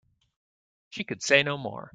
She could say no more.